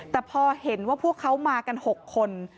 แต่พอเห็นว่าพวกเขามากัน๖คน